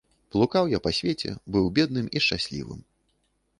Блукаў я па свеце, быў бедным і шчаслівым.